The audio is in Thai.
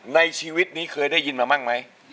ในชีวิตนี้เคยได้ยินมาบ้างไหม